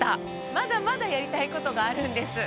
まだまだやりたいことがあるんです。